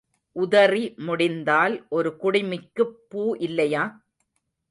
உதறி முடிந்தால் ஒரு குடுமிக்குப் பூ இல்லையா?